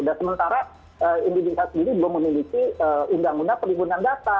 dan sementara indonesia sendiri juga memiliki undang undang pelibunan data